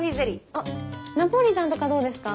あっナポリタンとかどうですか？